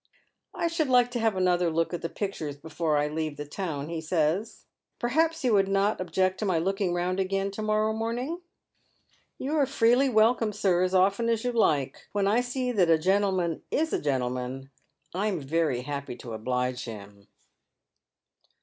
" I should like to have another look at the pictures before 1 leave the town," he says. " Perhaps you would not object to my looking round again to morrow morning ?"" You are freely welcome, sir, as often as you like. When I see that a gentleman is a gentleman, I'm very happy to oblige him."